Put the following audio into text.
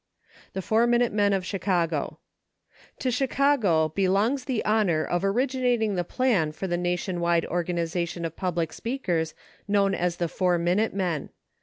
THE FOUR MINUTE MEN OF CHICAGO TO CHICAGO belongs the honor of originating the plan for the nation wide organization of public speakers known as the Four Minute Men.